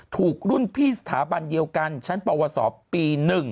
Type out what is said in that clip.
ถูกรุ่นพี่สถาบันเดียวกันชั้นปวสปี๑